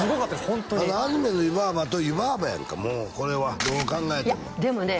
ホントにあのアニメの湯婆婆と湯婆婆やんかもうこれはどう考えてもいやでもね